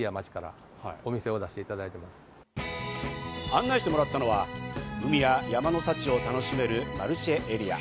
案内してもらったのは海や山の幸を楽しめるマルシェエリア。